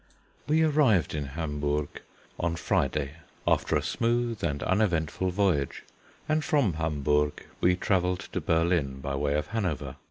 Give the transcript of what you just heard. We arrived in Hamburg on Friday after a smooth and uneventful voyage; and from Hamburg we travelled to Berlin by way of Hanover.